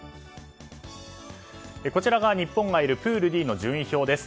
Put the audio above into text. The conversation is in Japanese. こちらが日本がいるプールＤの順位表です。